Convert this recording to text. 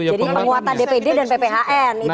jadi penguatan dpd dan pphn